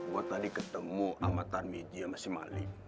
gue tadi ketemu amatan media masih malik